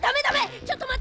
ちょっとまって！